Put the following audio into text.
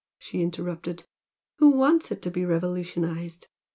she interrupted "Who wants it to be revolutionised?